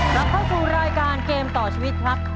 กลับเข้าสู่รายการเกมต่อชีวิตครับ